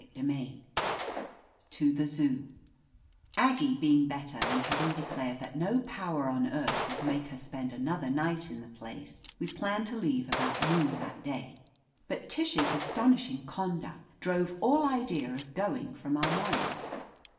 I CHAPTER XVj TO THE ZOO A GGIE being better, and having declared y\that no power on earth would make her spend another night in the place, we planned to leave about noon that day. But Tish's aston ishing conduct drove all idea of going from our minds.